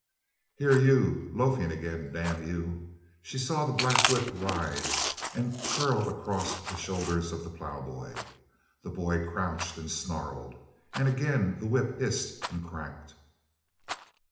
"Here, you! loafing again, damn you!" She saw the black whip writhe and curl across the shoulders of the plough boy. The boy crouched and snarled, and again the whip hissed and cracked.